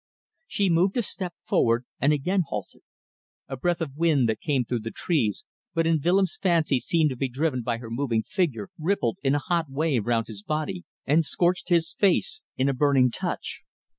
She moved a step forward and again halted. A breath of wind that came through the trees, but in Willems' fancy seemed to be driven by her moving figure, rippled in a hot wave round his body and scorched his face in a burning touch.